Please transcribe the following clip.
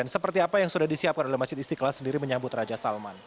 seperti apa yang sudah disiapkan oleh masjid istiqlal sendiri menyambut raja salman